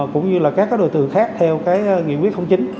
cũng như là các cái đối tượng khác theo cái nghị quyết không chính